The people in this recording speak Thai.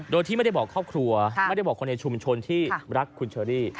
โดยที่ไม่ได้บอกครอบครัวไม่ได้บอกคนในชุมชนที่รักคุณเชอรี่